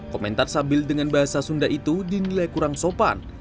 komentar sabil dengan bahasa sunda itu dinilai kurang sopan